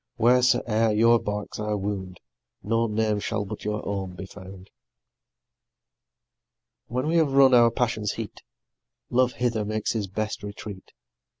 wheres'e'er your barks I wound, No name shall but your own be found. When we have run our passion's heat, Love hither makes his best retreat.